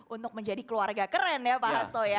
untuk menjadi keluarga keren ya pak hasto ya